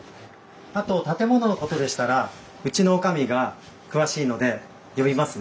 あと建物のことでしたらうちの女将が詳しいので呼びますね。